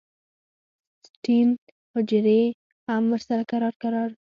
سټیم حجرې هم ورسره کرار کرار